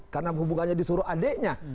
karena hubungannya disuruh adiknya